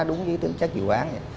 đúng với tính chất dự án